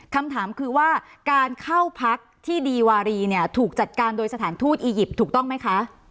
คำถามคือว่าการเข้าพักที่ดีวารีเนี่ยถูกจัดการโดยสถานทูตอียิปต์ถูกต้องไหมคะ